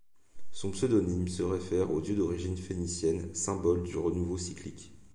Son pseudonyme se réfère au dieu d'origine phénicienne, symbole du renouveau cyclique.